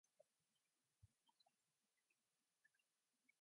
A fund manager must be a registered investment adviser.